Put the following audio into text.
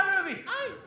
はい。